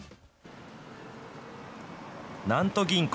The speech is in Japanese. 南都銀行。